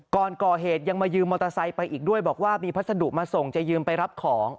ก่อนก่อเหตุยังมายืมมอเตอร์ไซค์ไปอีกด้วยบอกว่ามีพัสดุมาส่งจะยืมไปรับของ